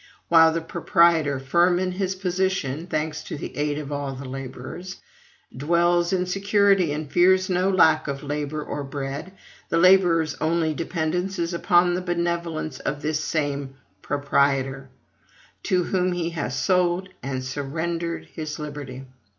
While the proprietor, firm in his position (thanks to the aid of all the laborers), dwells in security, and fears no lack of labor or bread, the laborer's only dependence is upon the benevolence of this same proprietor, to whom he has sold and surrendered his liberty.